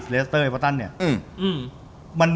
เลสเตอร์ไอพอตันเนี่ย